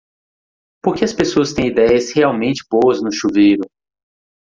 Por que as pessoas têm idéias realmente boas no chuveiro?